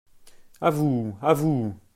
A vous, à vous !….